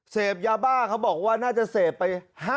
เสพยาบ้าเขาบอกว่าน่าจะเสพไป